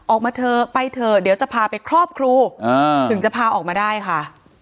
ออกมาเถอะไปเถอะเดี๋ยวจะพาไปครอบครูถึงจะพาออกมาได้ค่ะ